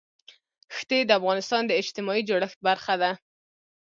ښتې د افغانستان د اجتماعي جوړښت برخه ده.